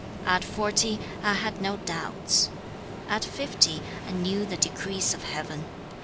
3. 'At forty, I had no doubts. 4. 'At fifty, I knew the decrees of Heaven.